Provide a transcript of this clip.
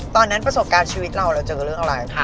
ตอนนั้นประสบการณ์ชีวิตเราเจอเรื่องอะไร